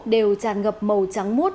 đều tràn ngập màu trắng mút